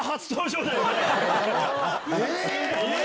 え⁉